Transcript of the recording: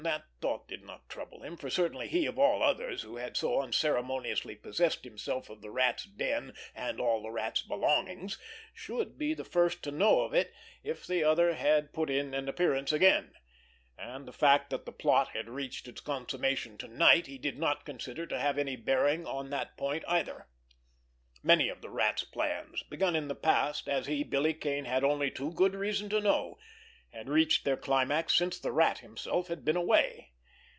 That thought did not trouble him, for certainly he, of all others, who had so unceremoniously possessed himself of the Rat's den and all the Rat's belongings, should be the first to know of it if the other had put in an appearance again; and the fact that the plot had reached its consummation to night he did not consider to have any bearing on that point either. Many of the Rat's plans, begun in the past, as he, Billy Kane, had only too good reason to know, had reached their climax since the Rat himself had been away.